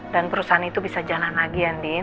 dan perusahaan itu bisa jalan lagi andin